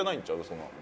そんなの。